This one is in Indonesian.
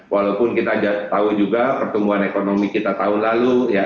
walaupun kita tahu juga pertumbuhan ekonomi kita tahun lalu